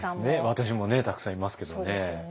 私もねたくさんいますけどね。